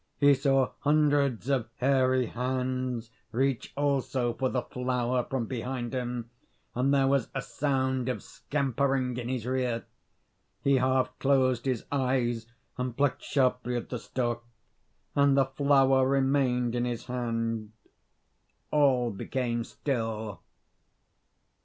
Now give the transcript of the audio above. He saw hundreds of hairy hands reach also for the flower from behind him, and there was a sound of scampering in his rear. He half closed his eyes, and plucked sharply at the stalk, and the flower remained in his hand. All became still.